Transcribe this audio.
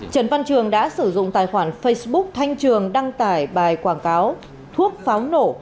trần văn trường đã sử dụng tài khoản facebook thanh trường đăng tải bài quảng cáo thuốc pháo nổ